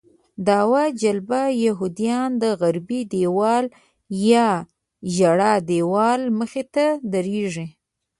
دعوه جلبه یهودیان د غربي دیوال یا ژړا دیوال مخې ته درېږي.